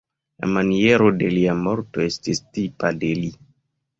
La maniero de lia morto estis tipa de li.